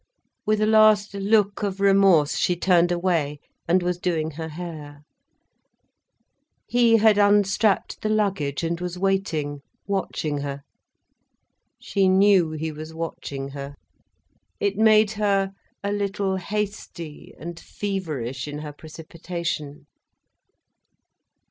With a last look of remorse, she turned away, and was doing her hair. He had unstrapped the luggage, and was waiting, watching her. She knew he was watching her. It made her a little hasty and feverish in her precipitation.